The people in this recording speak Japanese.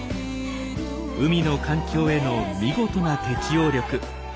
海の環境への見事な適応力。